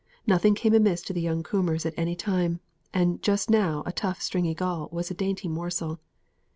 Nothing came amiss to the young Coombers at any time, and just now a tough stringy gull was a dainty morsel.